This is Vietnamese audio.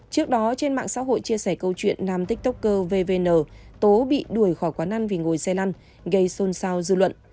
trước đó trên mạng xã hội chia sẻ câu chuyện nam tiktokervn tố bị đuổi khỏi quán ăn vì ngồi xe lăn gây xôn xao dư luận